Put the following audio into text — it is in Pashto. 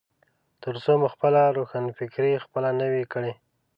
ترڅو مو خپله روښانفکري خپله نه وي کړي.